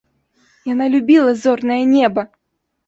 Яна любіла зорнае неба!